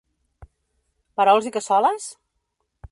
Perols i cassoles?